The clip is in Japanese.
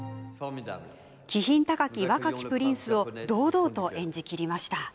気品高き若きプリンスを堂々と演じきりました。